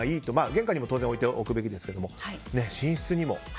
玄関にも当然置いておくべきですが寝室にも。